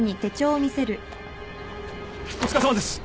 お疲れさまです！